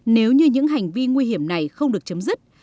nếu như những hành vi nguy hiểm này không được chấm dứt